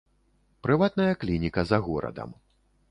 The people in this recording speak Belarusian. Прыватная клініка за горадам.